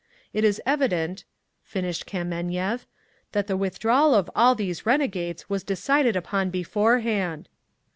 It is evident," finished Kameniev, "that the withdrawal of all these renegades was decided upon beforehand!"